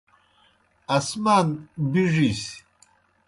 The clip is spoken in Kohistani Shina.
آسمان بِڙِس۔